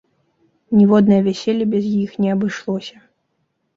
Ніводнае вяселле без іх не абышлося.